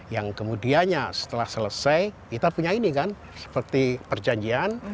yang kemudiannya setelah selesai kita punya ini kan seperti perjanjian